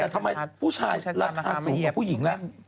แต่ทำไมผู้ชายราคาสูงกว่าผู้หญิงล่ะ